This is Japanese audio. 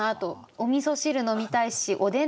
おみそ汁飲みたいしおでん